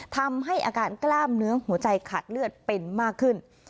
ทำให้อาการกล้ามเนื้อหัวใจขาดเลือดเป็นมากขึ้น